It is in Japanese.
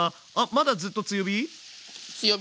まだずっと強火？